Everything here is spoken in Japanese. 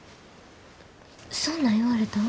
そんなん言われたん？